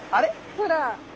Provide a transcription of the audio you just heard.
ほら。